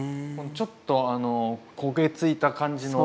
ちょっとあの焦げ付いた感じの。